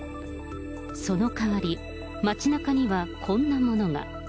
その代わり、街なかにはこんなものが。